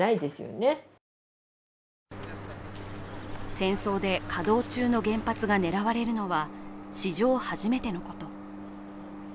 戦争で稼働中の原発が狙われるのは史上初めてのこと。